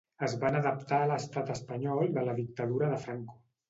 Es van adaptar a l'estat espanyol de la dictadura de Franco.